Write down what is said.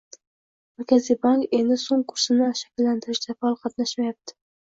Markaziy bank endi so'm kursini shakllantirishda faol qatnashmayapti